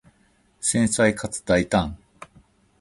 繊細かつ大胆